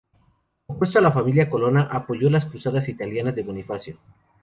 Opuesto a la familia Colonna, apoyó las cruzadas italianas de Bonifacio.